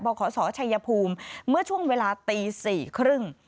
บขชายภูมิเมื่อช่วงเวลาตีสี่ครึ่ง